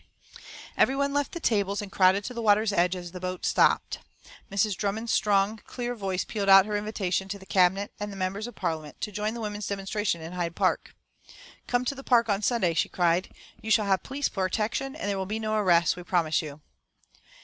Everyone left the tables and crowded to the water's edge as the boat stopped, and Mrs. Drummond's strong, clear voice pealed out her invitation to the Cabinet and the members of Parliament to join the women's demonstration in Hyde Park. "Come to the park on Sunday," she cried. "You shall have police protection, and there will be no arrests, we promise you."